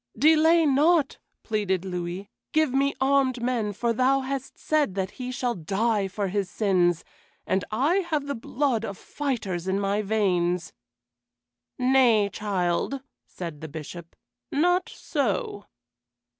"Delay not," pleaded Louis. "Give me armed men, for thou hast said that he shall die for his sins, and I have the blood of fighters in my veins." "Nay, child," said the Bishop. "Not so."